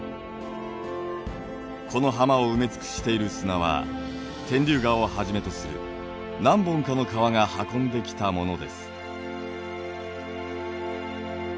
この浜を埋め尽くしている砂は天竜川をはじめとする何本かの川が運んできたものです。